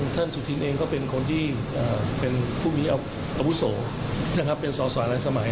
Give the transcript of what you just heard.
ท่านสุธินเองก็เป็นคนที่เป็นผู้มีอบุษโหเป็นส่อส่วนลังสมัย